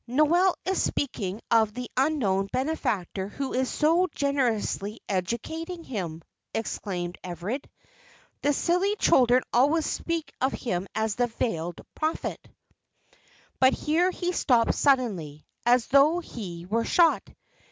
"Noel is speaking of the unknown benefactor who is so generously educating him," explained Everard. "The silly children always speak of him as the Veiled Prophet " But here he stopped suddenly, as though he were shot.